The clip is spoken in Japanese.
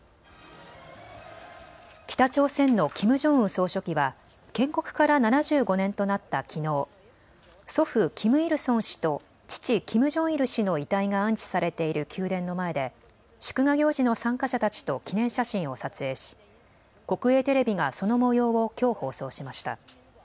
北朝鮮のキム・ジョンウン総書記は建国から７５年となったきのう祖父、キム・イルソン氏と父、キム・ジョンイル氏の遺体が安置されている宮殿の前で祝賀行事の参加者たちと記念写真を撮影し、国営テレビがそのもようをきょう放送しました。